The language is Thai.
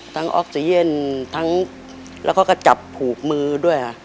ทั้งออกซีเย็นแล้วก็ก็จับผูกมือด้วย